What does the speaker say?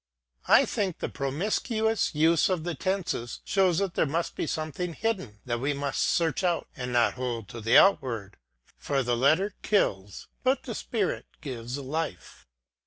I think the prom iscuous use of the tenses shows that there must be something hidden, that we must search out, and not hold to the outward, for the "letter kills, but the Spirit gives life."